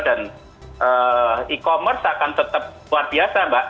dan e commerce akan tetap luar biasa mbak